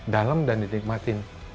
dalam dan dinikmatin